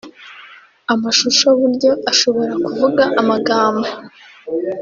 Amashusho burya ashobora kuvuga amagambo